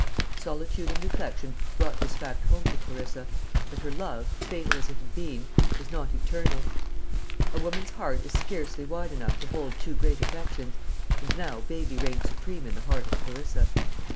Solitude and reflection brought this fact home to Clarissa, that her love, fatal as it had been, was not eternal. A woman's heart is scarcely wide enough to hold two great affections; and now baby reigned supreme in the heart of Clarissa.